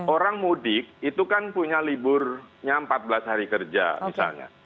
orang mudik itu kan punya liburnya empat belas hari kerja misalnya